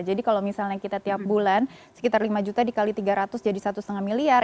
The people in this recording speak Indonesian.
jadi kalau misalnya kita tiap bulan sekitar lima juta dikali tiga ratus jadi satu lima miliar